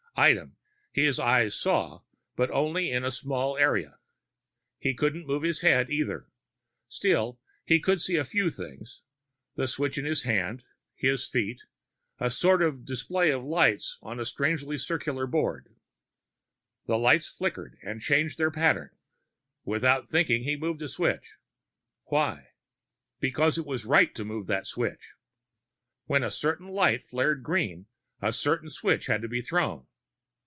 Item: his eyes saw, but only in a small area. He couldn't move his head, either. Still, he could see a few things. The switch in his hand, his feet, a sort of display of lights on a strangely circular board. The lights flickered and changed their pattern. Without thinking, he moved a switch. Why? Because it was right to move that switch. When a certain light flared green, a certain switch had to be thrown.